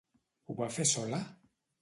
Ho va fer sola?